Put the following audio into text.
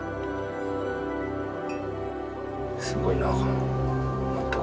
すごいな。